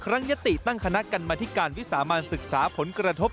ยติตั้งคณะกรรมธิการวิสามันศึกษาผลกระทบ